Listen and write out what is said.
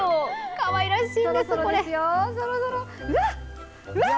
かわいらしいんです、これ。